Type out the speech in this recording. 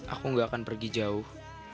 aku gak akan pergi jauh